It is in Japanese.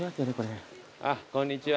あっこんにちは。